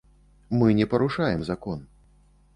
Мы не парушаем закон.